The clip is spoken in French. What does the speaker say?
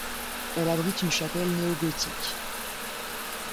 Elle abrite une chapelle néo-gothique.